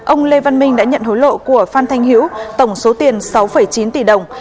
ông lê văn minh đã nhận hối lộ của phan thanh hiếu tổng số tiền sáu chín tỷ đồng